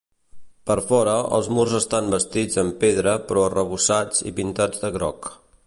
Per fora, els murs estan bastits amb pedra però arrebossats i pintats de groc.